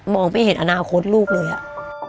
ไม่เห็นอนาคตลูกเลยอะ